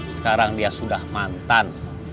sekarang dia sudah mantan